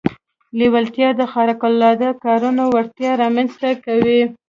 لېوالتیا د خارق العاده کارونو وړتيا رامنځته کوي.